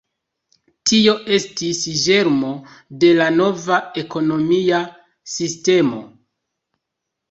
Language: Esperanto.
Tio estis ĝermo de la nova ekonomia sistemo.